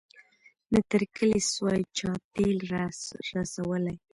نه تر کلي سوای چا تېل را رسولای